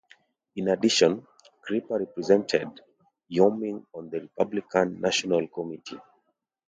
In addition, Crippa represented Wyoming on the Republican National Committee.